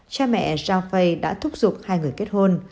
cha mẹ zhao fei đã thúc giục hai người kết hôn